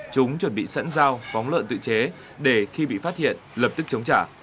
chúng chuẩn bị sẵn dao phóng lợn tự chế để khi bị phát hiện lập tức chống trả